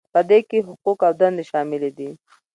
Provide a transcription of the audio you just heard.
په دې کې حقوق او دندې شاملې دي.